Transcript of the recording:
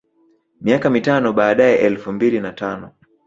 Miaka mitano baadae elfu mbili na tano